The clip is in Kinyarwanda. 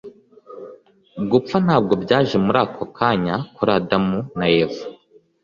Gupfa ntabwo byaje muri ako kanya kuri Adamu na Eva